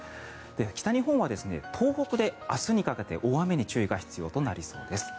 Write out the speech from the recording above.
北日本は東北で明日にかけて大雨に注意が必要となりそうです。